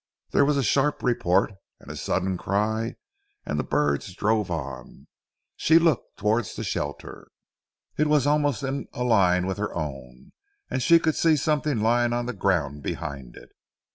There was a sharp report, and a sudden cry, and the birds drove on. She looked towards the shelter. It was almost in a line with her own, and she could see something lying on the ground behind it.